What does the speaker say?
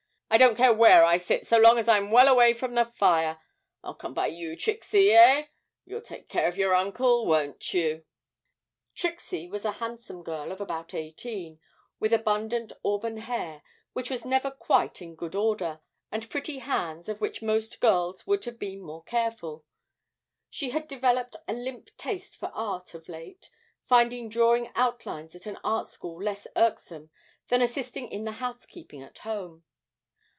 I don't care where I sit, so long as I'm well away from the fire. I'll come by you, Trixie, eh you'll take care of your uncle, won't you?' Trixie was a handsome girl of about eighteen, with abundant auburn hair, which was never quite in good order, and pretty hands of which most girls would have been more careful; she had developed a limp taste for art of late, finding drawing outlines at an art school less irksome than assisting in the housekeeping at home.